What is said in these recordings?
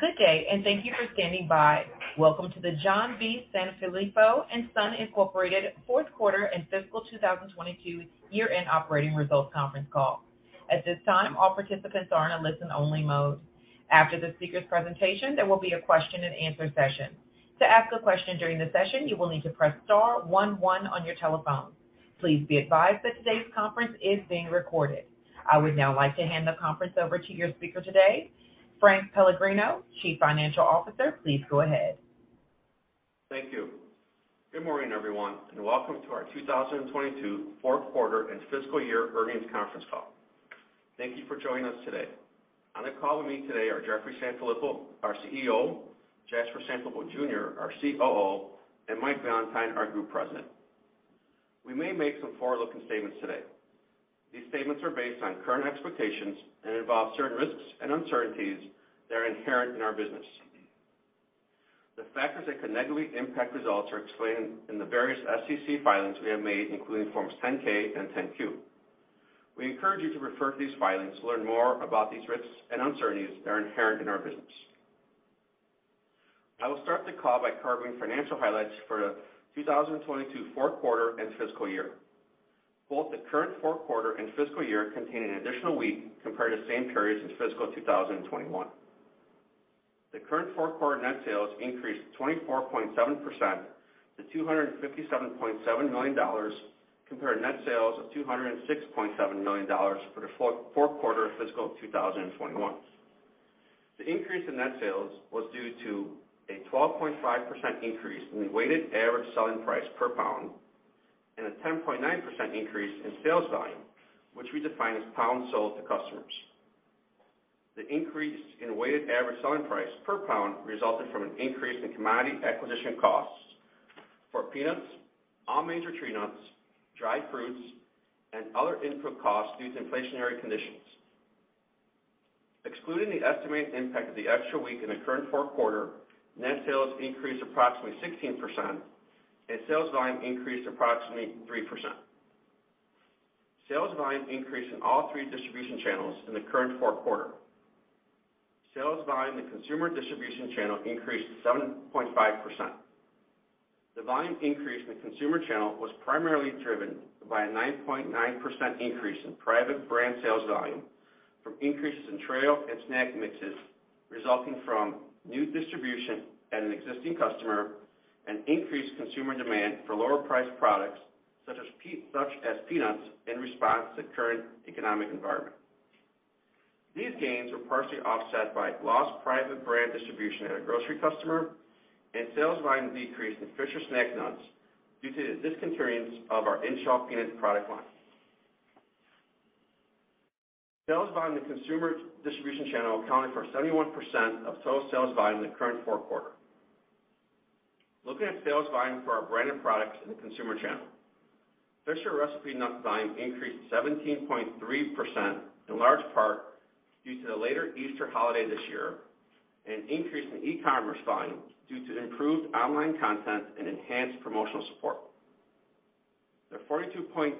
Good day, and thank you for standing by. Welcome to the John B. Sanfilippo & Son, Inc. Fourth Quarter and Fiscal 2022 Year-End Operating Results Conference Call. At this time, all participants are in a listen-only mode. After the speaker's presentation, there will be a question-and-answer session. To ask a question during the session, you will need to press star one one on your telephone. Please be advised that today's conference is being recorded. I would now like to hand the conference over to your speaker today, Frank S. Pellegrino, Chief Financial Officer. Please go ahead. Thank you. Good morning, everyone, and welcome to our 2022 fourth quarter and fiscal year earnings conference call. Thank you for joining us today. On the call with me today are Jeffrey Sanfilippo, our CEO, Jasper Sanfilippo, Jr., our COO, and Mike Valentine, our Group President. We may make some forward-looking statements today. These statements are based on current expectations and involve certain risks and uncertainties that are inherent in our business. The factors that can negatively impact results are explained in the various SEC filings we have made, including Forms 10-K and 10-Q. We encourage you to refer to these filings to learn more about these risks and uncertainties that are inherent in our business. I will start the call by covering financial highlights for the 2022 fourth quarter and fiscal year. Both the current fourth quarter and fiscal year contain an additional week compared to the same periods in fiscal 2021. The current fourth quarter net sales increased 24.7% to $257.7 million compared to net sales of $206.7 million for the fourth quarter of fiscal 2021. The increase in net sales was due to a 12.5% increase in the weighted average selling price per pound and a 10.9% increase in sales volume, which we define as pounds sold to customers. The increase in weighted average selling price per pound resulted from an increase in commodity acquisition costs for peanuts, all major tree nuts, dried fruits, and other input costs due to inflationary conditions. Excluding the estimated impact of the extra week in the current fourth quarter, net sales increased approximately 16%, and sales volume increased approximately 3%. Sales volume increased in all three distribution channels in the current fourth quarter. Sales volume in the consumer distribution channel increased 7.5%. The volume increase in the consumer channel was primarily driven by a 9.9% increase in private brand sales volume from increases in trail and snack mixes resulting from new distribution at an existing customer and increased consumer demand for lower-priced products such as peanuts in response to current economic environment. These gains were partially offset by lost private brand distribution at a grocery customer and sales volume decrease in Fisher snack nuts due to the discontinuance of our in-shell peanut product line. Sales volume in the consumer distribution channel accounted for 71% of total sales volume in the current fourth quarter. Looking at sales volume for our branded products in the consumer channel. Fisher recipe nuts volume increased 17.3%, in large part due to the later Easter holiday this year and an increase in e-commerce volume due to improved online content and enhanced promotional support. The 42.9%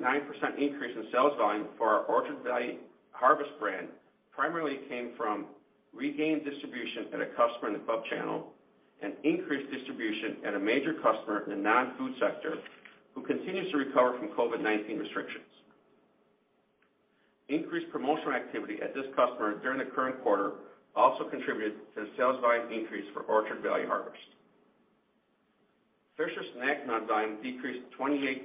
increase in sales volume for our Orchard Valley Harvest brand primarily came from regained distribution at a customer in the club channel and increased distribution at a major customer in the non-food sector who continues to recover from COVID-19 restrictions. Increased promotional activity at this customer during the current quarter also contributed to the sales volume increase for Orchard Valley Harvest. Fisher snack nut volume decreased 28%,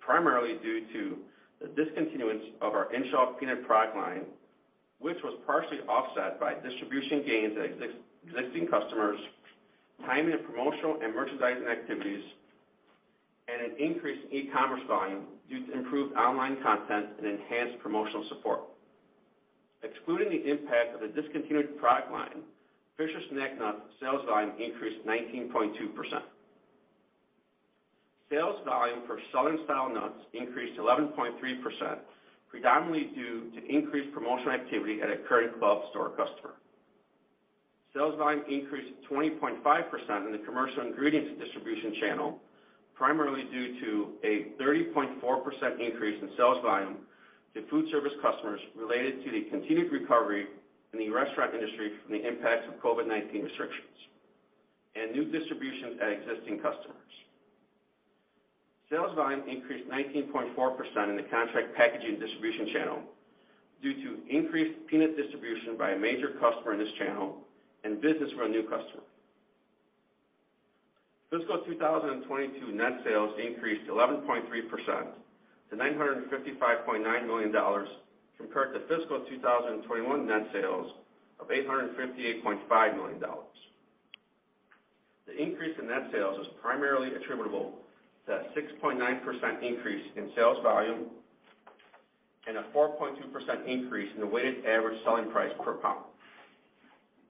primarily due to the discontinuance of our in-shell peanut product line, which was partially offset by distribution gains at existing customers, timing of promotional and merchandising activities, and an increase in e-commerce volume due to improved online content and enhanced promotional support. Excluding the impact of the discontinued product line, Fisher snack nut sales volume increased 19.2%. Sales volume for Southern Style Nuts increased 11.3%, predominantly due to increased promotional activity at a current club store customer. Sales volume increased 20.5% in the commercial ingredients distribution channel, primarily due to a 30.4% increase in sales volume to food service customers related to the continued recovery in the restaurant industry from the impacts of COVID-19 restrictions and new distribution at existing customers. Sales volume increased 19.4% in the contract packaging distribution channel due to increased peanut distribution by a major customer in this channel and business from a new customer. Fiscal 2022 net sales increased 11.3% to $955.9 million compared to fiscal 2021 net sales of $858.5 million. The increase in net sales was primarily attributable to a 6.9% increase in sales volume and a 4.2% increase in the weighted average selling price per pound.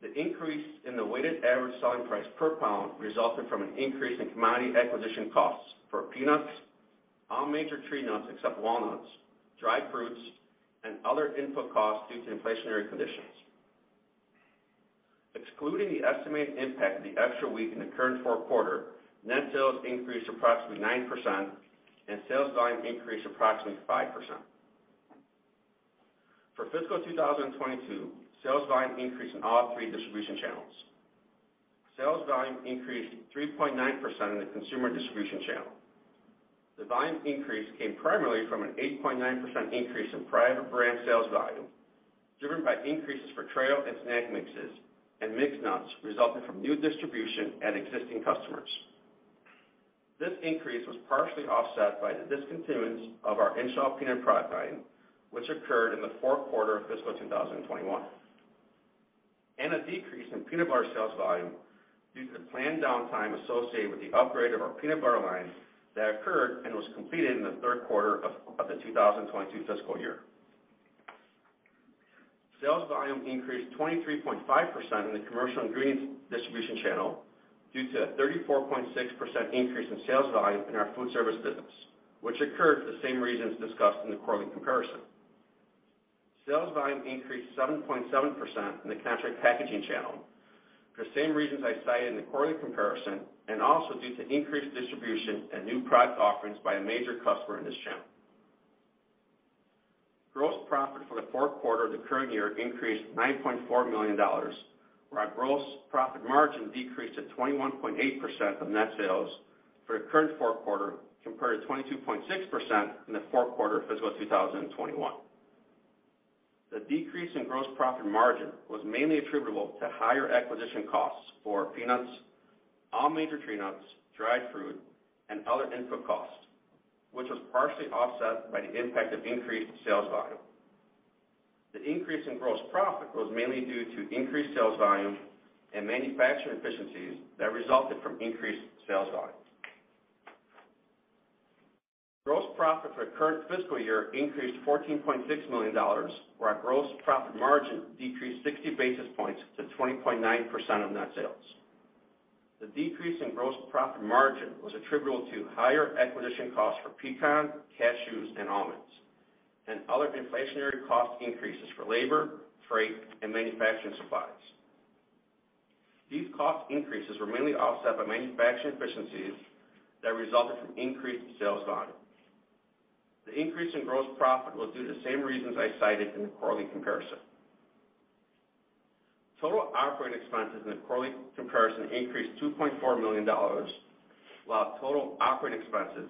The increase in the weighted average selling price per pound resulted from an increase in commodity acquisition costs for peanuts, all major tree nuts except walnuts, dried fruits, and other input costs due to inflationary conditions. Excluding the estimated impact of the extra week in the current fourth quarter, net sales increased approximately 9%, and sales volume increased approximately 5%. For fiscal 2022, sales volume increased in all three distribution channels. Sales volume increased 3.9% in the consumer distribution channel. The volume increase came primarily from an 8.9% increase in private brand sales volume, driven by increases for trail and snack mixes, and mixed nuts resulting from new distribution and existing customers. This increase was partially offset by the discontinuance of our in-shell peanut product line, which occurred in the fourth quarter of fiscal 2021, and a decrease in peanut bar sales volume due to the planned downtime associated with the upgrade of our peanut bar line that occurred and was completed in the third quarter of the 2022 fiscal year. Sales volume increased 23.5% in the commercial ingredients distribution channel due to a 34.6% increase in sales volume in our food service business, which occurred for the same reasons discussed in the quarterly comparison. Sales volume increased 7.7% in the contract packaging channel for the same reasons I cited in the quarterly comparison, and also due to increased distribution and new product offerings by a major customer in this channel. Gross profit for the fourth quarter of the current year increased $9.4 million, while our gross profit margin decreased to 21.8% of net sales for the current fourth quarter, compared to 22.6% in the fourth quarter of fiscal 2021. The decrease in gross profit margin was mainly attributable to higher acquisition costs for peanuts, all major tree nuts, dried fruit, and other input costs, which was partially offset by the impact of increased sales volume. The increase in gross profit was mainly due to increased sales volume and manufacturing efficiencies that resulted from increased sales volume. Gross profit for the current fiscal year increased $14.6 million, while our gross profit margin decreased 60 basis points to 20.9% of net sales. The decrease in gross profit margin was attributable to higher acquisition costs for pecan, cashews and almonds, and other inflationary cost increases for labor, freight, and manufacturing supplies. These cost increases were mainly offset by manufacturing efficiencies that resulted from increased sales volume. The increase in gross profit was due to the same reasons I cited in the quarterly comparison. Total operating expenses in the quarterly comparison increased $2.4 million, while total operating expenses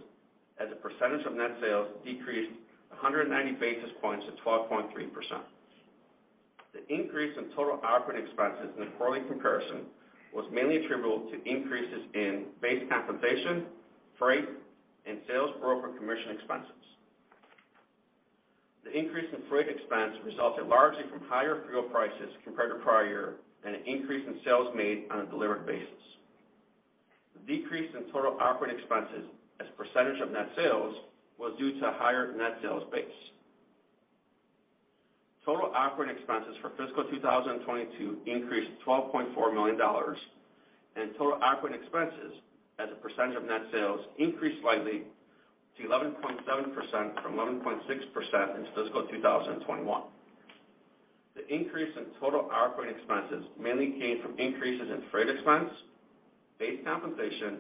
as a percentage of net sales decreased 190 basis points to 12.3%. The increase in total operating expenses in the quarterly comparison was mainly attributable to increases in base compensation, freight, and sales broker commission expenses. The increase in freight expense resulted largely from higher fuel prices compared to prior year and an increase in sales made on a delivered basis. The decrease in total operating expenses as a percentage of net sales was due to higher net sales base. Total operating expenses for fiscal 2022 increased $12.4 million, and total operating expenses as a percentage of net sales increased slightly to 11.7% from 11.6% in fiscal 2021. The increase in total operating expenses mainly came from increases in freight expense, base compensation,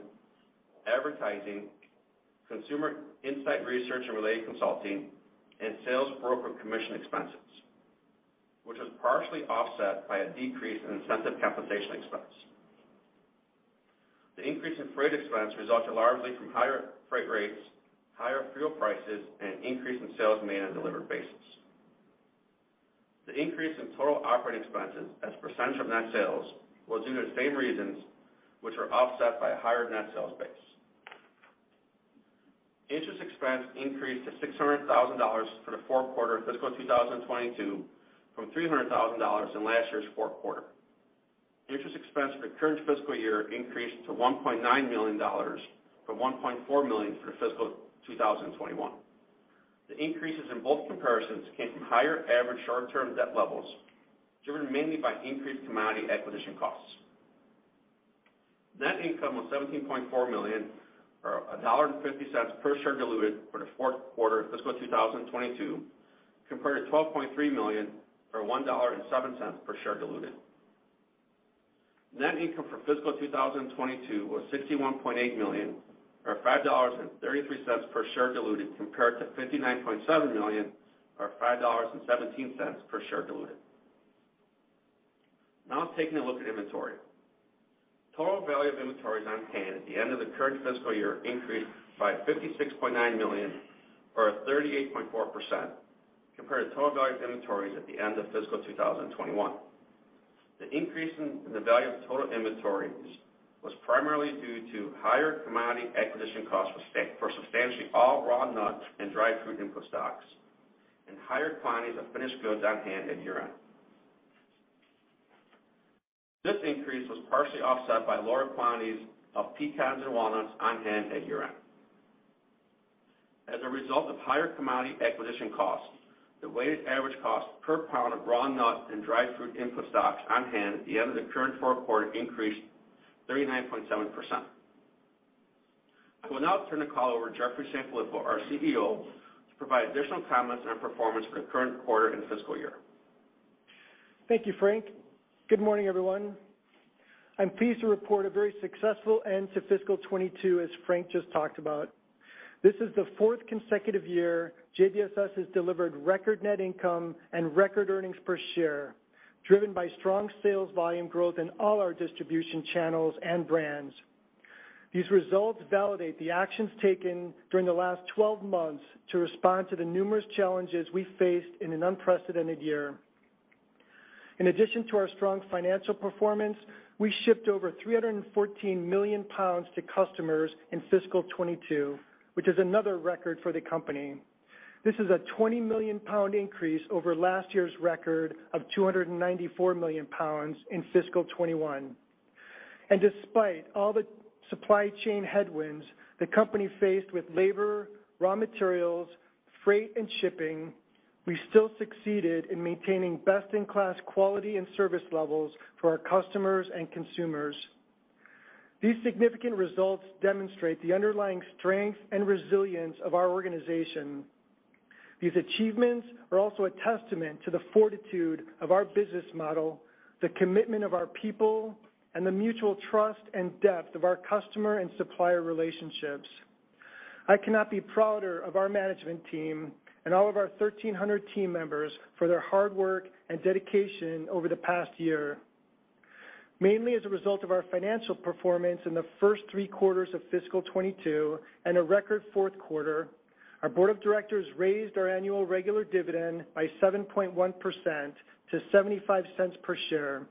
advertising, consumer insight research and related consulting, and sales broker commission expenses, which was partially offset by a decrease in incentive compensation expense. The increase in freight expense resulted largely from higher freight rates, higher fuel prices, and an increase in sales made on a delivered basis. The increase in total operating expenses as a percentage of net sales was due to the same reasons which were offset by a higher net sales base. Interest expense increased to $600,000 for the fourth quarter of fiscal 2022 from $300,000 in last year's fourth quarter. Interest expense for the current fiscal year increased to $1.9 million from $1.4 million for fiscal 2021. The increases in both comparisons came from higher average short-term debt levels, driven mainly by increased commodity acquisition costs. Net income was $17.4 million or $1.50 per share diluted for the fourth quarter of fiscal 2022, compared to $12.3 million or $1.07 per share diluted. Net income for fiscal 2022 was $61.8 million or $5.33 per share diluted compared to $59.7 million or $5.17 per share diluted. Now taking a look at inventory. Total value of inventories on hand at the end of the current fiscal year increased by $56.9 million or 38.4% compared to total value of inventories at the end of fiscal 2021. The increase in the value of total inventories was primarily due to higher commodity acquisition costs for substantially all raw nuts and dried fruit input stocks, and higher quantities of finished goods on hand at year-end. This increase was partially offset by lower quantities of pecans and walnuts on hand at year-end. As a result of higher commodity acquisition costs, the weighted average cost per pound of raw nut and dried fruit input stocks on hand at the end of the current fourth quarter increased 39.7%. I will now turn the call over to Jeffrey Sanfilippo, our CEO, to provide additional comments on our performance for the current quarter and fiscal year. Thank you, Frank. Good morning, everyone. I'm pleased to report a very successful end to fiscal 2022, as Frank just talked about. This is the fourth consecutive year JBSS has delivered record net income and record earnings per share, driven by strong sales volume growth in all our distribution channels and brands. These results validate the actions taken during the last twelve months to respond to the numerous challenges we faced in an unprecedented year. In addition to our strong financial performance, we shipped over 314 million pounds to customers in fiscal 2022, which is another record for the company. This is a 20 million pound increase over last year's record of 294 million pounds in fiscal 2021. Despite all the supply chain headwinds the company faced with labor, raw materials, freight, and shipping, we still succeeded in maintaining best-in-class quality and service levels for our customers and consumers. These significant results demonstrate the underlying strength and resilience of our organization. These achievements are also a testament to the fortitude of our business model, the commitment of our people, and the mutual trust and depth of our customer and supplier relationships. I cannot be prouder of our management team and all of our 1,300 team members for their hard work and dedication over the past year. Mainly as a result of our financial performance in the first three quarters of fiscal 2022 and a record fourth quarter, our board of directors raised our annual regular dividend by 7.1% to $0.75 per share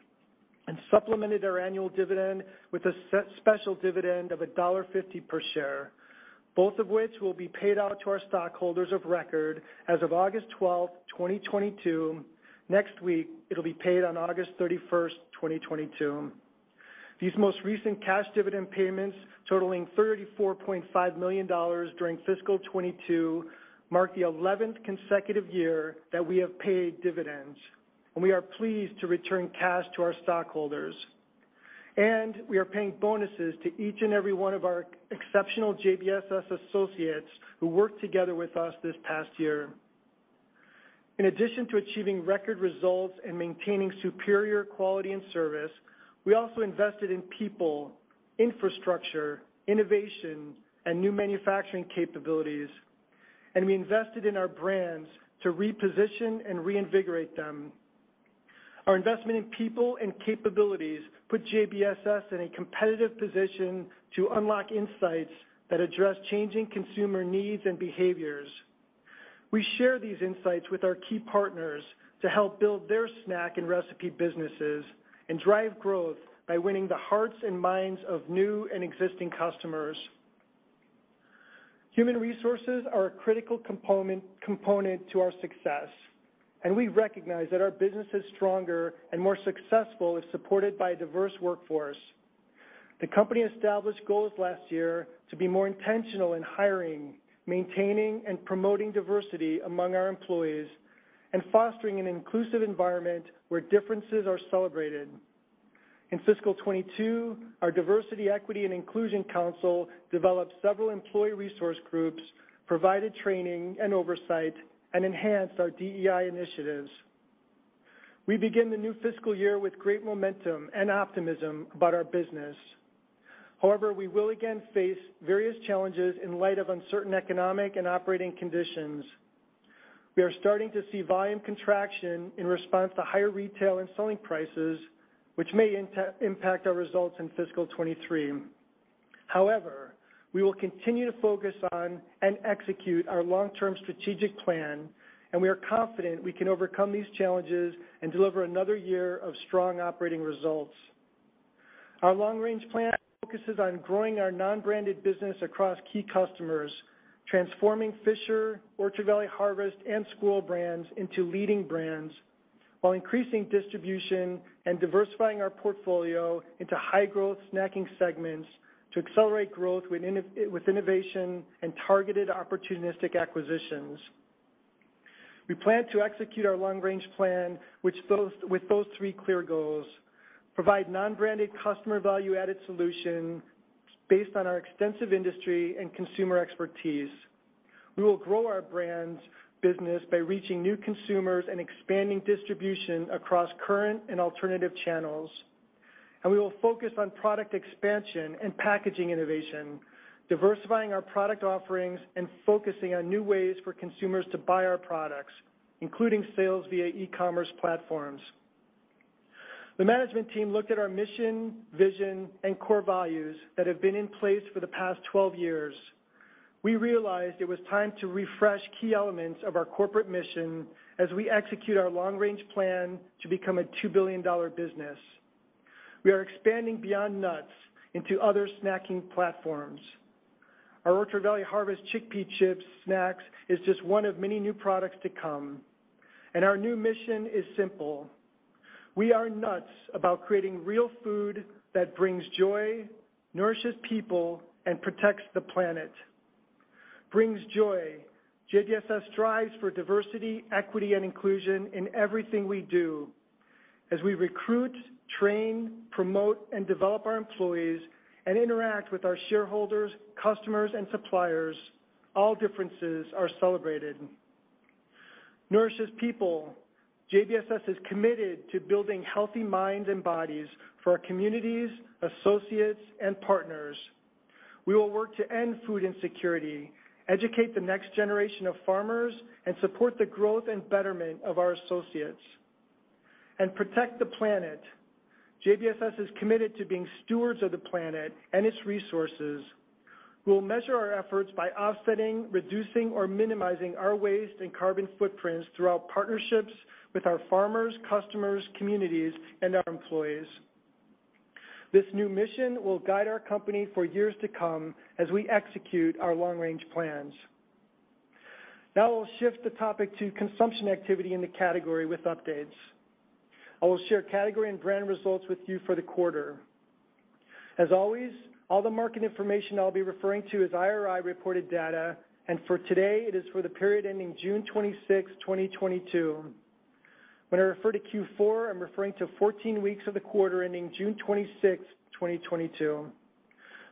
and supplemented our annual dividend with a special dividend of $1.50 per share, both of which will be paid out to our stockholders of record as of August 12, 2022. Next week, it'll be paid on August 31, 2022. These most recent cash dividend payments, totaling $34.5 million during fiscal 2022, mark the 11th consecutive year that we have paid dividends, and we are pleased to return cash to our stockholders. We are paying bonuses to each and every one of our exceptional JBSS associates who worked together with us this past year. In addition to achieving record results and maintaining superior quality and service, we also invested in people, infrastructure, innovation, and new manufacturing capabilities, and we invested in our brands to reposition and reinvigorate them. Our investment in people and capabilities put JBSS in a competitive position to unlock insights that address changing consumer needs and behaviors. We share these insights with our key partners to help build their snack and recipe businesses and drive growth by winning the hearts and minds of new and existing customers. Human resources are a critical component to our success, and we recognize that our business is stronger and more successful if supported by a diverse workforce. The company established goals last year to be more intentional in hiring, maintaining, and promoting diversity among our employees and fostering an inclusive environment where differences are celebrated. In fiscal 2022, our Diversity, Equity and Inclusion Council developed several employee resource groups, provided training and oversight, and enhanced our DEI initiatives. We begin the new fiscal year with great momentum and optimism about our business. However, we will again face various challenges in light of uncertain economic and operating conditions. We are starting to see volume contraction in response to higher retail and selling prices, which may impact our results in fiscal 2023. However, we will continue to focus on and execute our long-term strategic plan, and we are confident we can overcome these challenges and deliver another year of strong operating results. Our long-range plan focuses on growing our non-branded business across key customers, transforming Fisher, Orchard Valley Harvest, and Southern Style Nuts into leading brands, while increasing distribution and diversifying our portfolio into high-growth snacking segments to accelerate growth with innovation and targeted opportunistic acquisitions. We plan to execute our long-range plan with those three clear goals, provide non-branded customer value-added solution based on our extensive industry and consumer expertise. We will grow our brands business by reaching new consumers and expanding distribution across current and alternative channels. We will focus on product expansion and packaging innovation, diversifying our product offerings and focusing on new ways for consumers to buy our products, including sales via e-commerce platforms. The management team looked at our mission, vision, and core values that have been in place for the past 12 years. We realized it was time to refresh key elements of our corporate mission as we execute our long-range plan to become a 2 billion-dollar business. We are expanding beyond nuts into other snacking platforms. Our Orchard Valley Harvest Chickpea Chips snacks is just one of many new products to come, and our new mission is simple. We are nuts about creating real food that brings joy, nourishes people, and protects the planet. Brings joy. JBSS strives for diversity, equity, and inclusion in everything we do. As we recruit, train, promote, and develop our employees and interact with our shareholders, customers, and suppliers. All differences are celebrated. Nourishing people, JBSS is committed to building healthy minds and bodies for our communities, associates and partners. We will work to end food insecurity, educate the next generation of farmers, and support the growth and betterment of our associates. Protect the planet. JBSS is committed to being stewards of the planet and its resources. We'll measure our efforts by offsetting, reducing or minimizing our waste and carbon footprints through our partnerships with our farmers, customers, communities, and our employees. This new mission will guide our company for years to come as we execute our long-range plans. Now I will shift the topic to consumption activity in the category with updates. I will share category and brand results with you for the quarter. As always, all the market information I'll be referring to is IRI reported data, and for today it is for the period ending June 26, 2022. When I refer to Q4, I'm referring to 14 weeks of the quarter ending June 26, 2022.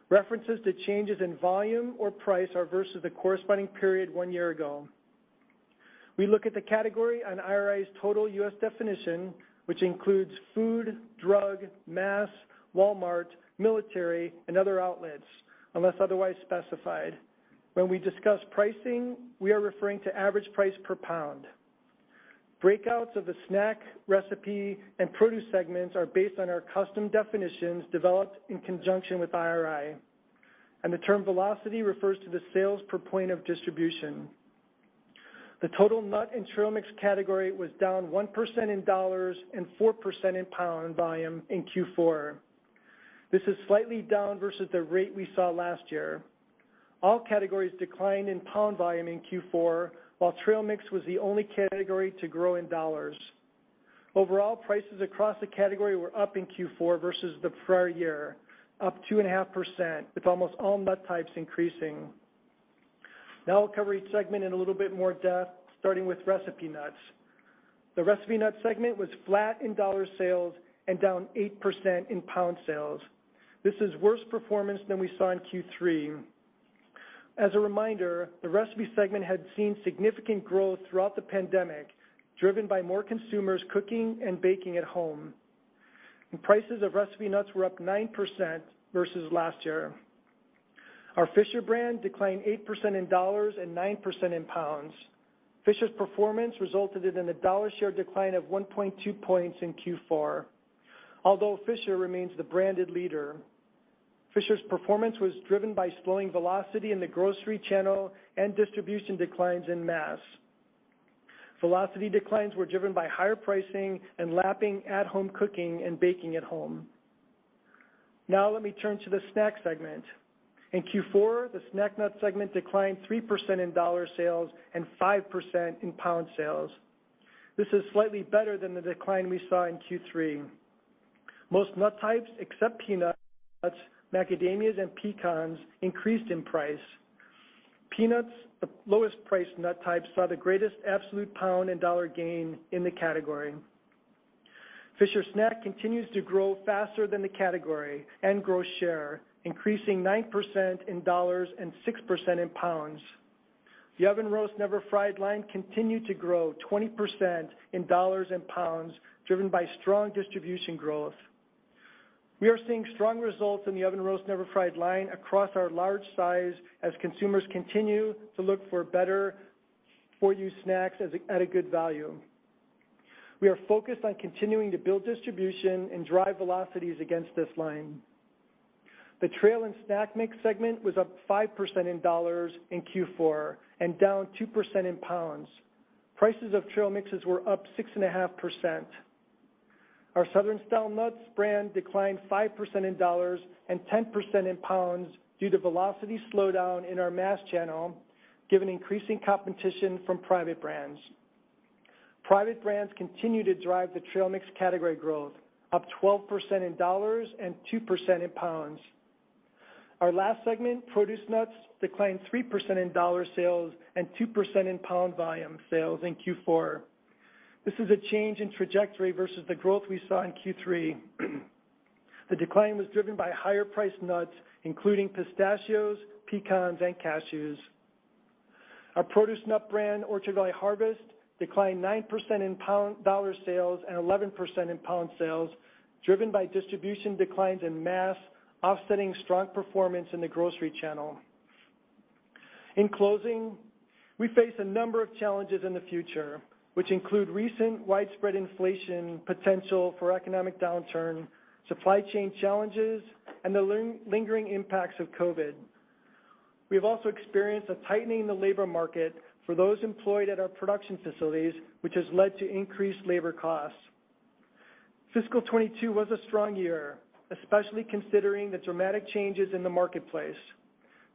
References to changes in volume or price are versus the corresponding period one year ago. We look at the category on IRI's total US definition, which includes food, drug, mass, Walmart, military, and other outlets, unless otherwise specified. When we discuss pricing, we are referring to average price per pound. Breakouts of the snack, recipe, and produce segments are based on our custom definitions developed in conjunction with IRI. The term velocity refers to the sales per point of distribution. The total nut and trail mix category was down 1% in dollars and 4% in pound volume in Q4. This is slightly down versus the rate we saw last year. All categories declined in pound volume in Q4, while trail mix was the only category to grow in dollars. Overall, prices across the category were up in Q4 versus the prior year, up 2.5%, with almost all nut types increasing. Now I'll cover each segment in a little bit more depth, starting with recipe nuts. The recipe nut segment was flat in dollar sales and down 8% in pound sales. This is worse performance than we saw in Q3. As a reminder, the recipe segment had seen significant growth throughout the pandemic, driven by more consumers cooking and baking at home, and prices of recipe nuts were up 9% versus last year. Our Fisher brand declined 8% in dollars and 9% in pounds. Fisher's performance resulted in a dollar share decline of 1.2 points in Q4. Although Fisher remains the branded leader, Fisher's performance was driven by slowing velocity in the grocery channel and distribution declines in mass. Velocity declines were driven by higher pricing and lapping at-home cooking and baking at home. Now let me turn to the snack segment. In Q4, the snack nut segment declined 3% in dollar sales and 5% in pound sales. This is slightly better than the decline we saw in Q3. Most nut types, except peanuts, macadamias and pecans, increased in price. Peanuts, the lowest priced nut type, saw the greatest absolute pound and dollar gain in the category. Fisher Snack continues to grow faster than the category and grow share, increasing 9% in dollars and 6% in pounds. The Oven Roasted, Never Fried line continued to grow 20% in dollars and pounds, driven by strong distribution growth. We are seeing strong results in the Oven Roasted, Never Fried line across our large size as consumers continue to look for better for you snacks at a good value. We are focused on continuing to build distribution and drive velocities against this line. The trail and snack mix segment was up 5% in dollars in Q4 and down 2% in pounds. Prices of trail mixes were up 6.5%. Our Southern Style Nuts brand declined 5% in dollars and 10% in pounds due to velocity slowdown in our mass channel, given increasing competition from private brands. Private brands continue to drive the trail mix category growth, up 12% in dollars and 2% in pounds. Our last segment, peanuts, declined 3% in dollar sales and 2% in pound volume sales in Q4. This is a change in trajectory versus the growth we saw in Q3. The decline was driven by higher priced nuts, including pistachios, pecans, and cashews. Our premium nut brand, Orchard Valley Harvest, declined 9% in dollar sales and 11% in pound sales, driven by distribution declines in mass, offsetting strong performance in the grocery channel. In closing, we face a number of challenges in the future, which include recent widespread inflation, potential for economic downturn, supply chain challenges, and the lingering impacts of COVID. We have also experienced a tightening in the labor market for those employed at our production facilities, which has led to increased labor costs. Fiscal 2022 was a strong year, especially considering the dramatic changes in the marketplace.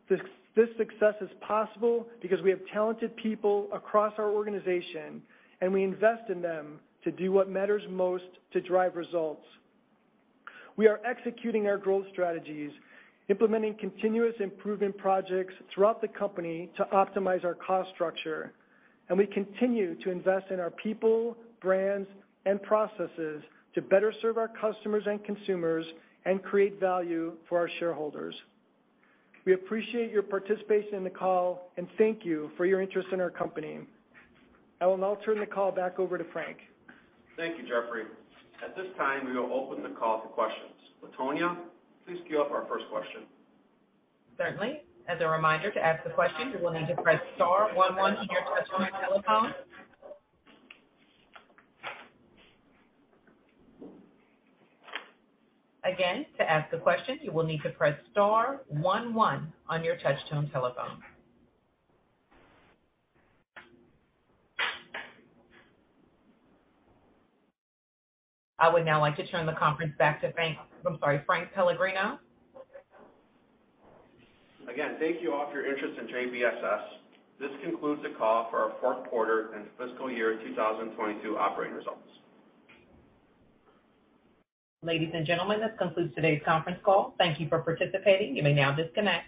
This success is possible because we have talented people across our organization, and we invest in them to do what matters most to drive results. We are executing our growth strategies, implementing continuous improvement projects throughout the company to optimize our cost structure, and we continue to invest in our people, brands, and processes to better serve our customers and consumers and create value for our shareholders. We appreciate your participation in the call and thank you for your interest in our company. I will now turn the call back over to Frank. Thank you, Jeffrey. At this time, we will open the call to questions. Latonia, please queue up our first question. Certainly. As a reminder, to ask a question, you will need to press star one one on your touchtone telephone. Again, to ask a question, you will need to press star one one on your touchtone telephone. I would now like to turn the conference back to Frank S. Pellegrino. Again, thank you all for your interest in JBSS. This concludes the call for our fourth quarter and fiscal year 2022 operating results. Ladies and gentlemen, this concludes today's conference call. Thank you for participating. You may now disconnect.